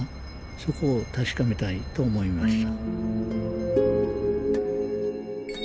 そこを確かめたいと思いました